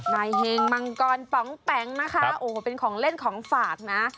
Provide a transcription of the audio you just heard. นายเฮงมังกรป๋องแป๋งนะคะโอ้โหเป็นของเล่นของฝากนะ